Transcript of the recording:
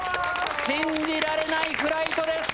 信じられないフライトです。